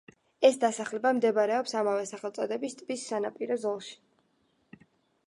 ეს დასახლება მდებარეობს ამავე სახელწოდების ტბის სანაპირო ზოლში.